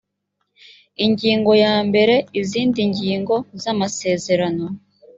ingingo ya mbere izindi ngingo z amasezerano